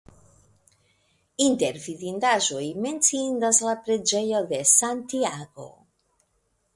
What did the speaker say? Inter vidindaĵoj menciindas la preĝejo de Santiago.